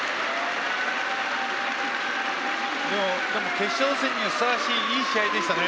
決勝戦にふさわしいいい試合でしたね。